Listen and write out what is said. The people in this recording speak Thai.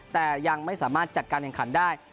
แต่ยังไม่สามารถจัดการแข่งขันได้